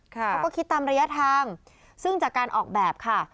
เขาก็คิดตามระยะทางซึ่งจากการออกแบบค่ะ